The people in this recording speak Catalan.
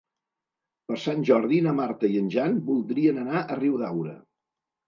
Per Sant Jordi na Marta i en Jan voldrien anar a Riudaura.